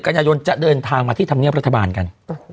กันยายนจะเดินทางมาที่ธรรมเนียบรัฐบาลกัน